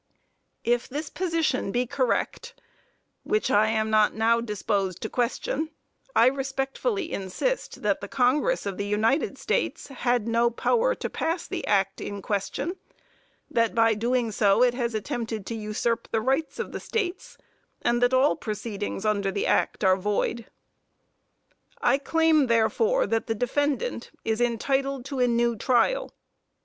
If this position be correct, which I am not now disposed to question, I respectfully insist that the congress of the United States had no power to pass the act in question, that by doing so it has attempted to usurp the rights of the states, and that all proceedings under the act are void. I claim therefore that the defendant is entitled to a new trial.